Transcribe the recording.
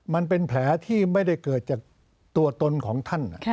มันเป็นแผลที่ไม่ได้เกิดจากตัวตนของท่าน